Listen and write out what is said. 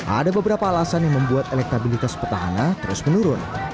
ada beberapa alasan yang membuat elektabilitas petahana terus menurun